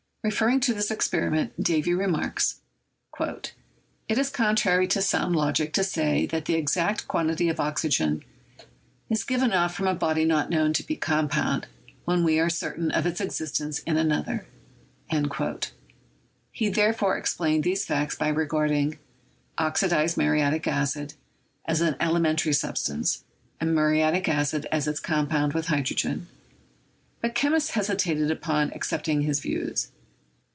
Referring to i 9 4 CHEMISTRY this experiment, Davy remarks, "It is contrary to sound logic to say that the exact quantity of oxygen is given off from a body not known to be compound, when we are certain of its existence in another." He therefore ex plained these facts by regarding "oxidized muriatic acid" as an elementary substance, and muriatic acid as its com pound with hydrogen ; but chemists hesitated about ac cepting his views.